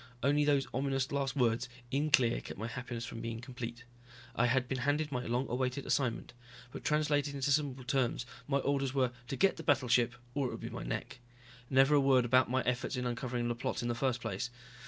Only those ominous last words in clear kept my happiness from being complete. I had been handed my long awaited assignment. But translated into simple terms my orders were to get the battleship, or it would be my neck. Never a word about my efforts in uncovering the plot in the first place.